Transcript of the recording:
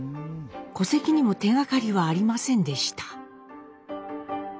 戸籍にも手がかりはありませんでした。